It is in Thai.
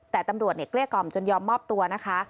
แต่ตำรวจเนี่ยเกลี้ยกล่อมจนยอมมอบตัวนะคะ